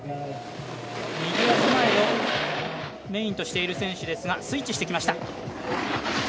右足前のメインとしている選手ですがスイッチしてきました。